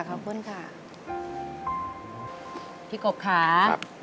กลับมาเมื่อเวลาที่สุดท้าย